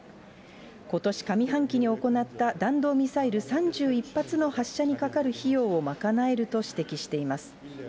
ことし上半期に行った、弾道ミサイル３１発の発射にかかる費用を賄えると指摘しています。